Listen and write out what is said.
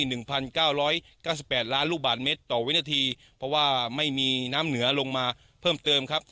หนึ่งพันเก้าร้อยเก้าสิบแปดล้านลูกบาทเมตรต่อวินาทีเพราะว่าไม่มีน้ำเหนือลงมาเพิ่มเติมครับ